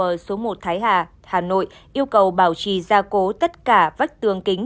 thông tin của the coffee house số một thái hà hà nội yêu cầu bảo trì gia cố tất cả vách tường kính